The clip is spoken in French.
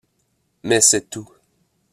Mais c'est tout.